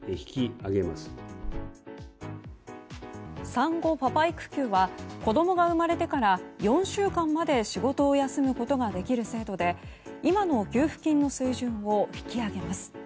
産後パパ育休は子供が生まれてから４週間まで仕事を休むことができる制度で今の給付金の水準を引き上げます。